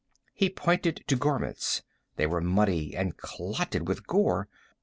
He pointed to garments;—they were muddy and clotted with gore.